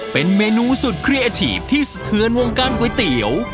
เป็นเมนูสุดเคลียร์อาชีพที่สะเทือนวงการก๋วยเตี๋ยว